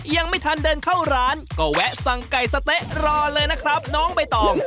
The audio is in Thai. ยังไม่ทันเดินเข้าร้านก็แวะสั่งไก่สะเต๊ะรอเลยนะครับน้องใบตอง